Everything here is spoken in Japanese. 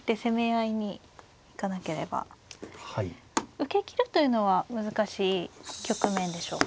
受けきるというのは難しい局面でしょうか。